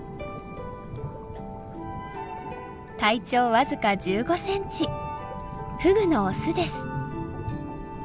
体長僅か１５ｃｍフグのオスです。